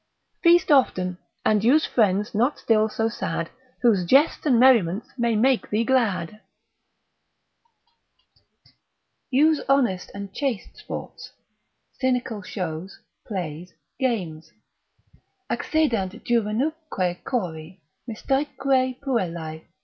Feast often, and use friends not still so sad, Whose jests and merriments may make thee glad. Use honest and chaste sports, scenical shows, plays, games; Accedant juvenumque Chori, mistaeque puellae.